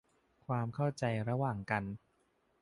ความเข้าใจระหว่างกัน